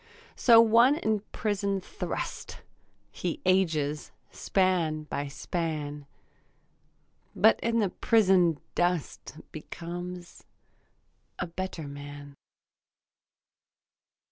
So one in prison thrust; He ages span by span, But in the prison dust Becomes a better man.